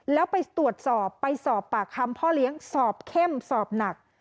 แล้วไปตรวจสอบไปสอบปากคำพ่อเลี้ยงสอบเข้มสอบหนัก